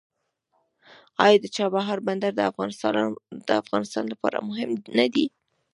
آیا د چابهار بندر د افغانستان لپاره مهم نه دی؟